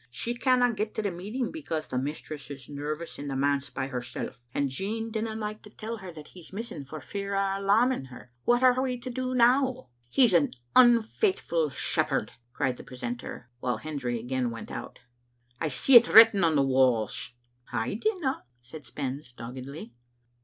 She canna get to the meeting because the mistress is nervous in tb^ manse by herself; and Jean didna like to tell her Digitized by VjOOQ IC JSbc Aeetfna tot Vaftt 265 that he's missing, for fear o' alarming her. What are we to do now?" " He's an unfaithful shepherd/' cried the precentor, while Hendry again went out. I see it written on the walls." *" I dinna," said Spens doggedly.